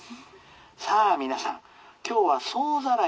さあ皆さん今日は総ざらいの日。